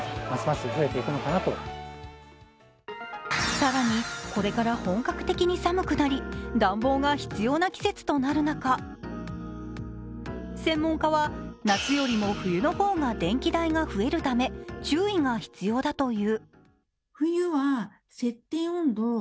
更にこれから本格的に寒くなり暖房が必要な季節となる中、専門家は、夏よりも冬の方が電気代が増えるため注意が必要だという。